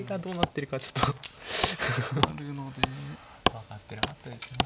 分かってなかったですね。